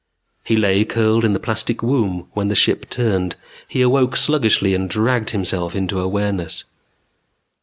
He lay curled in the plastic womb when the ship turned. He awoke sluggishly and dragged himself into awareness.